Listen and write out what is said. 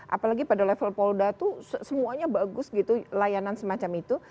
apalagi pada level polda itu semuanya bagus gitu layanan semacam itu